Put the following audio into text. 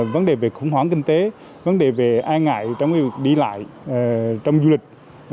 vấn đề về khủng hoảng kinh tế vấn đề về ai ngại đi lại trong du lịch